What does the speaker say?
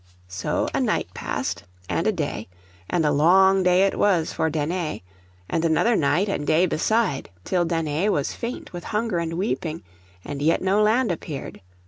So a night passed, and a day, and a long day it was for Danae; and another night and day beside, till Danae was faint with hunger and weeping, and yet no land appeared.